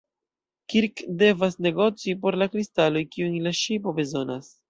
Kirk devas negoci por la kristaloj, kiujn la ŝipo bezonas.